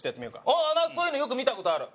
ああそういうのよく見た事ある。